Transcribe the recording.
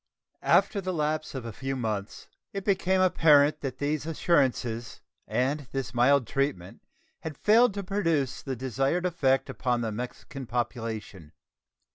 After the lapse of a few months it became apparent that these assurances and this mild treatment had failed to produce the desired effect upon the Mexican population.